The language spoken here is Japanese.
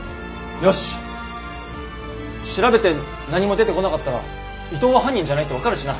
よし調べて何も出てこなかったら伊藤は犯人じゃないって分かるしな。